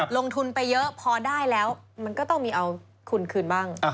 ลงทุนไปเยอะพอได้แล้วมันก็ต้องมีเอาคุณคืนบ้าง